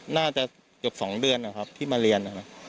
น่าจะจบ๒เดือนครับที่มาเรียน